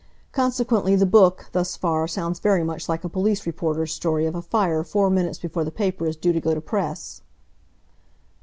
Consequently the book, thus far, sounds very much like a police reporter's story of a fire four minutes before the paper is due to go to press."